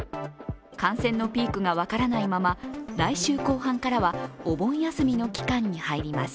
感染のピークが分からないまま来週後半からはお盆休みの期間に入ります。